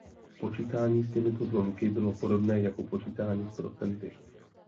Počítání s těmito zlomky bylo podobné jako počítání s procenty.